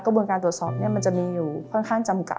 กระบวนการตรวจสอบมันจะมีอยู่ค่อนข้างจำกัด